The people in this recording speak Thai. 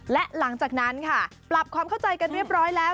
และหลังจากนั้นค่ะปรับความเข้าใจกันเรียบร้อยแล้ว